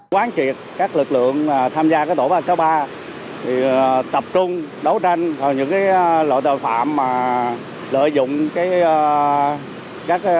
quán triệt các lực lượng tham gia tổ ba trăm sáu mươi ba tập trung đấu tranh vào những loại tội phạm lợi dụng các